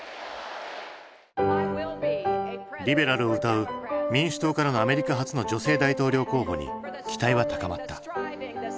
リベラルをうたう民主党からのアメリカ初の女性大統領候補に期待は高まった。